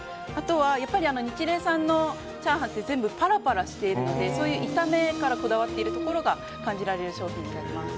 やっぱりニチレイさんのチャーハンって全部パラパラしているので炒めからこだわっているところが感じられる商品になります。